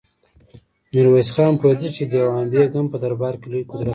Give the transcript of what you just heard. ميرويس خان پوهېده چې دېوان بېګ هم په دربار کې لوی قدرت لري.